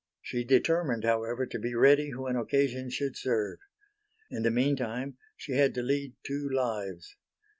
She determined however to be ready when occasion should serve. In the meantime she had to lead two lives.